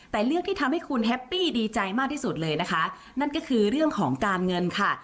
แต่เรื่องที่ทำให้คุณแฮปปี้ดีใจมากที่สุดเลยนะคะนั่นก็คือเรื่องของการเงินค่ะ